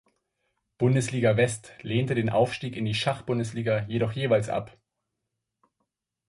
Bundesliga West, lehnte den Aufstieg in die Schachbundesliga jedoch jeweils ab.